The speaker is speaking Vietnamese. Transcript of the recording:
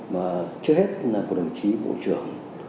mà trước hết là của đồng chí bộ trưởng